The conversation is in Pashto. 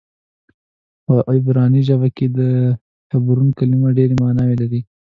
په عبراني ژبه کې د حبرون کلمه ډېرې معناوې لري.